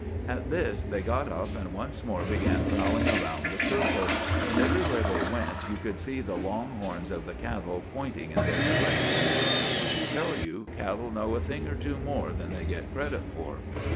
At this they got up and once more began prowling round the circle, and everywhere they went you could see the long horns of the cattle pointing in their direction. I can tell you cattle know a thing or two more than they get credit for.